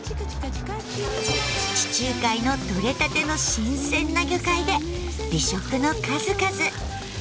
地中海のとれたての新鮮な魚介で美食の数々。